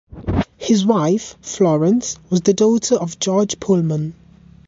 His wife, Florence, was the daughter of George Pullman.